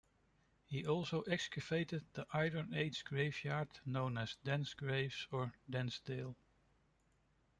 He also excavated the Iron Age graveyard known as Danes Graves, or "Danesdale".